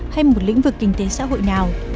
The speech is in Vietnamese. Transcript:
hay một lĩnh vực kinh tế xã hội nào